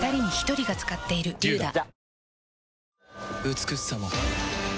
美しさも